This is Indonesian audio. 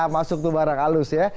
masuk tuh barang halus ya